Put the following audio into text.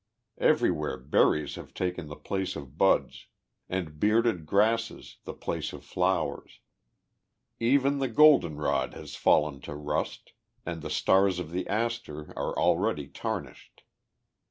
Everywhere berries have taken the place of buds, and bearded grasses the place of flowers. Even the goldenrod has fallen to rust, and the stars of the aster are already tarnished.